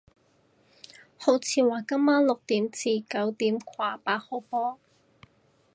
好似話今晚六點至九點掛八號波